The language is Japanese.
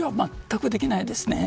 まったくできないですね。